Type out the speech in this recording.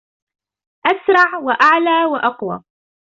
أسرع ، وأعلى ، وأقوى.